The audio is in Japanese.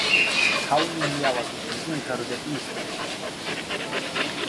顔に似合わずリズミカルで良いステップ